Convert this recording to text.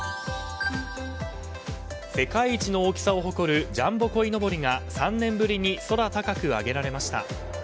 世界一の大きさを誇るジャンボこいのぼりが３年ぶりに空高く揚げられました。